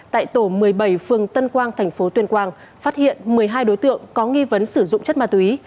tại tổ một mươi bảy phường tân quang tp tuyên quang phát hiện một mươi hai đối tượng có nghi vấn sử dụng chất ma túy